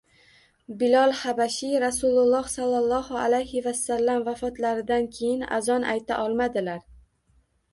Bilol Habashiy Rasululloh sollallohu alayhi vasallam vafotlaridan keyin azon ayta olmadilar